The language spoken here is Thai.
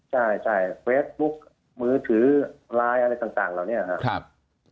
ใช่เฟซบุ๊คมือถือไลน์อะไรต่างเหล่านี้ครับ